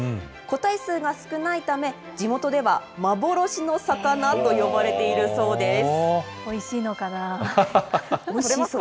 個体数が少ないため、地元では幻の魚と呼ばれているそうです。